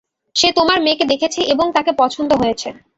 সে তোমার মেয়েকে দেখেছে, এবং তাকে পছন্দ হয়েছে।